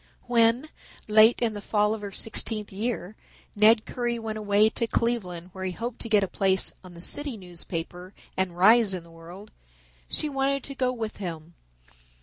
When, late in the fall of her sixteenth year, Ned Currie went away to Cleveland where he hoped to get a place on a city newspaper and rise in the world, she wanted to go with him.